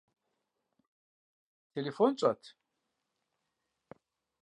Телефон щӏэт?